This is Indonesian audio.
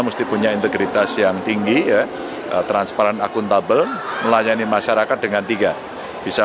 mesti punya integritas yang tinggi ya transparan akuntabel melayani masyarakat dengan tiga bisa